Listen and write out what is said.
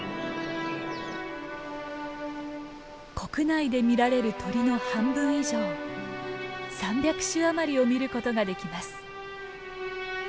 国内で見られる鳥の半分以上３００種余りを見ることができます。